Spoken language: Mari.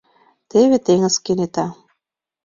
Теве теҥыз кенета